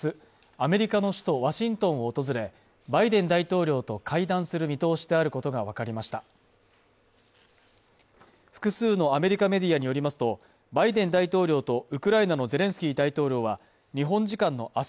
アメリカの首都ワシントンを訪れバイデン大統領と会談する見通しであることが分かりました複数のアメリカメディアによりますとバイデン大統領とウクライナのゼレンスキー大統領は日本時間のあす